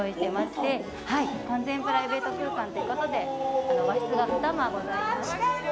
完全プライベート空間ということで和室がふた間ございます。